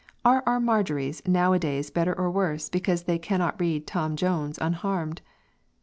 Are our Marjories now a days better or worse, because they cannot read 'Tom Jones' unharmed?